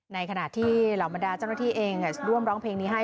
ในขณะที่เหล่าบรรดาเจ้าหน้าที่เองร่วมร้องเพลงนี้ให้